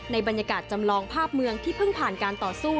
บรรยากาศจำลองภาพเมืองที่เพิ่งผ่านการต่อสู้